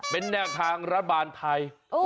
เป็นแนวทางรัฐบาลไทย